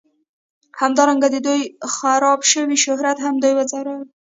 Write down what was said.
همدارنګه د دوی خراب شوي شهرت هم دوی ځورول